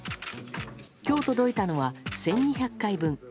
今日届いたのは１２００回分。